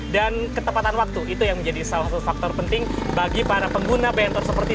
dan ketepatan waktu itu yang menjadi salah satu faktor penting bagi para pengguna bentor seperti